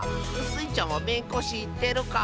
スイちゃんはめんこしってるか？